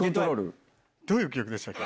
どういう曲でしたっけ？